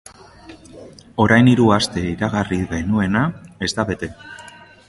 Orain hiru aste iragarri genuena ez da bete.